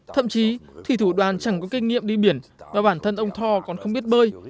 thậm chí thủy thủ đoàn chẳng có kinh nghiệm đi biển và bản thân ông tho còn không biết bơi